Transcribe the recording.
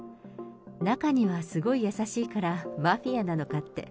中にはすごい優しいから、マフィアなのかって。